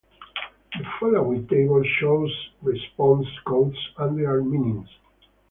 The following table shows response codes and their meanings.